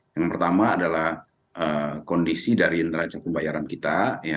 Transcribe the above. yang pertama adalah kondisi dari neraca pembayaran kita